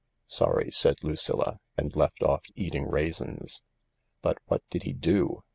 " Sorry," said Lucilla, and left off eating raisins. " But what did he do